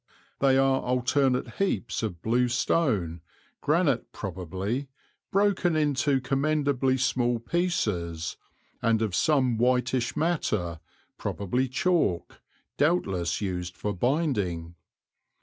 They are alternate heaps of blue stone, granite probably, broken into commendably small pieces, and of some whitish matter, probably chalk, doubtless used for binding.